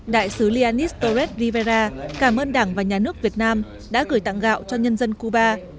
đại sứ lianistorest rivera cảm ơn đảng và nhà nước việt nam đã gửi tặng gạo cho nhân dân cuba